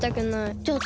ちょっと！